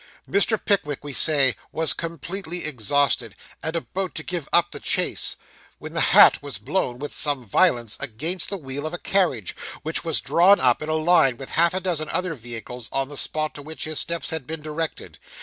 Mr. Pickwick, we say, was completely exhausted, and about to give up the chase, when the hat was blown with some violence against the wheel of a carriage, which was drawn up in a line with half a dozen other vehicles on the spot to which his steps had been directed.